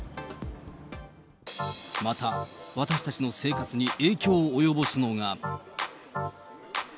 また、私たちの生活に影響を及ぼすのが。